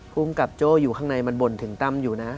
ภูมิกับโจ้อยู่ข้างในมันบ่นถึงตั้มอยู่นะ